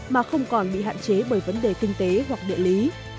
mà không còn bị hạn chế bởi vấn đề kinh tế hoặc địa lý